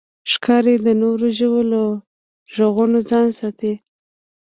ښکاري د نورو ژویو له غږونو ځان ساتي.